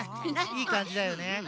いいかんじだよね。